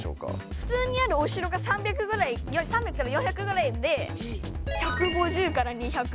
ふつうにあるお城が３００ぐらい３００から４００ぐらいで１５０から２００。